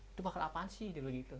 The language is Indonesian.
itu bakal apaan sih